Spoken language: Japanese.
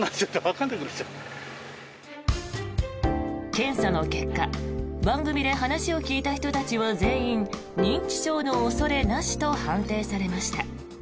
検査の結果番組で話を聞いた人たちは全員認知症の恐れなしと判定されました。